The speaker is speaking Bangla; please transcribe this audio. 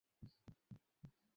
প্রেম সব ভয় দূর করে।